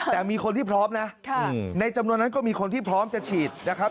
แต่มีคนที่พร้อมนะในจำนวนนั้นก็มีคนที่พร้อมจะฉีดนะครับ